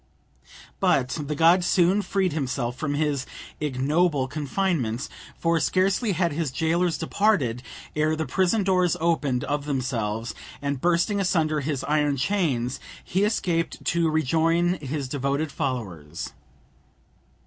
But the god soon freed himself from his ignoble confinement, for scarcely had his jailers departed, ere the prison doors opened of themselves, and, bursting asunder his iron chains, he escaped to rejoin his devoted followers.